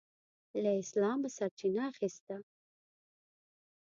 له اسلامه سرچینه اخیسته.